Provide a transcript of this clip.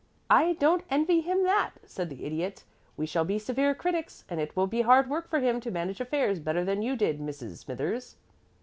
"I don't envy him that," said the Idiot. "We shall be severe critics, and it will be hard work for him to manage affairs better than you did, Mrs. Smithers."